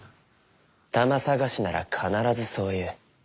魂さがしなら必ずそう言う。